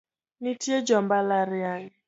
Nitie jo mbalariany